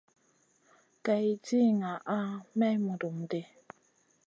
Kay di ŋaha may mudum ɗi.